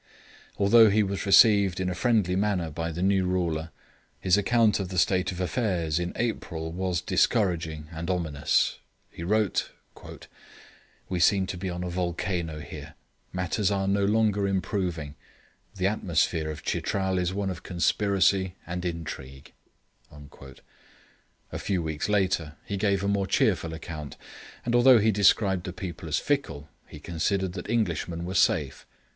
Although he was received in a friendly manner by the new ruler, his account of the state of affairs in April was discouraging and ominous. He wrote: 'We seem to be on a volcano here. Matters are no longer improving; the atmosphere of Chitral is one of conspiracy and intrigue.' A few weeks later he gave a more cheerful account, and although he described the people as fickle, he considered that Englishmen were safe.